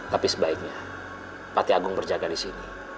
tapi sebaiknya pati agung berjaga di sini